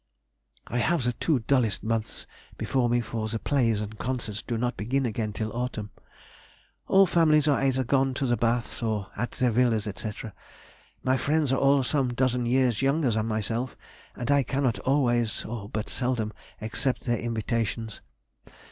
I have the two dullest months before me, for the plays and concerts do not begin again till autumn; all families are either gone to the baths or at their villas, &c. My friends are all some dozen years younger than myself, and I cannot always, or but seldom, accept their invitations.